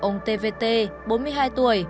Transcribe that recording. ông tvt bốn mươi hai tuổi